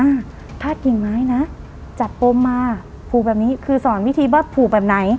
พาดกิ่งไม้นะจับปมมาผูกแบบนี้คือสอนวิธีว่าผูกแบบไหน